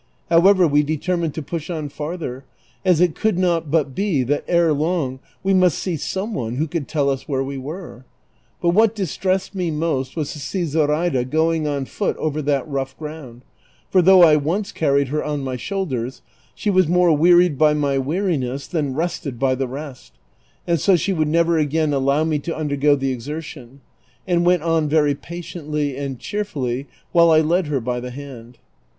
However, we determined to push on farther, as it could not but be that ere long we must see some one who could tell us where we were. But what distressed me most was to see 7m raida goin<r on foot over that rough ground ; for though I once car ried her on my shoulders, she was more wearied by my wearmess than rested by the rest; and so she would never again allow me to undergo the exertion, and went on very patiently and cheerfully, while lied her by the hand.